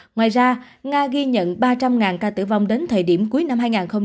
ngoài ra nga ghi nhận ba trăm linh ca tử vong đến thời điểm cuối năm hai nghìn hai mươi ba